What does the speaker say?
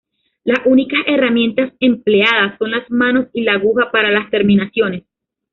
Las únicas herramientas empleadas son las manos y la aguja para las terminaciones.